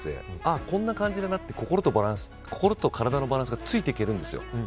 ああ、こんな感じだなって心と体のバランスがついていけるんですよ。